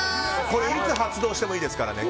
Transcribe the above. これ、いつ発動してもいいですからね。